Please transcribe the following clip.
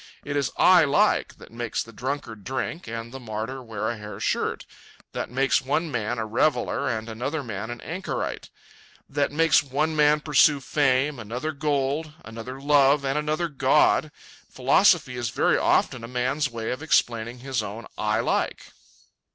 It is I LIKE that makes the drunkard drink and the martyr wear a hair shirt; that makes one man a reveller and another man an anchorite; that makes one man pursue fame, another gold, another love, and another God. Philosophy is very often a man's way of explaining his own I LIKE.